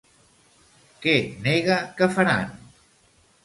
Què nega que faran?